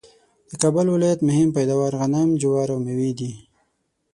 د کابل ولایت مهم پیداوار غنم ،جوار ، او مېوې دي